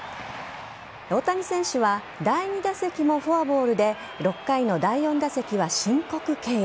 大谷選手は第２打席もフォアボールで６回の第４打席は申告敬遠。